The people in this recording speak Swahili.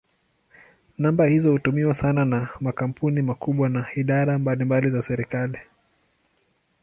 Namba hizo hutumiwa sana na makampuni makubwa na idara mbalimbali za serikali.